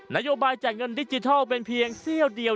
นโยบายจ่ายเงินดิจิทัลเป็นเพียงเสี้ยวเดียว